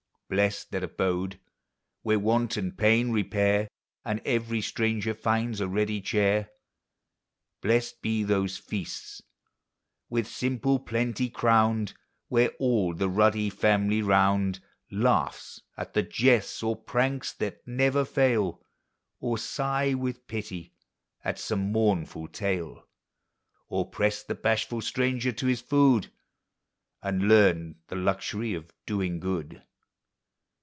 Blest that abode, where want and pain repair, And every stranger finds a ready chair! Blest be those feasts with simple plenty crowned, Where all the ruddy family around Laughs at the jests or pranks that never fail, Or sigh with pity at some mournful tale; Or press the bashful stranger to his food, And learn the luxury of doing good!